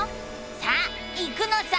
さあ行くのさ！